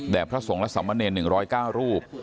แด่พระสงค์และสำมะเนยน๑๐๙รูป